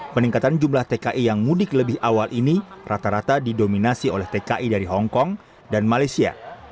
peningkatan jumlah tki yang mudik lebih awal ini rata rata didominasi oleh tki dari hongkong dan malaysia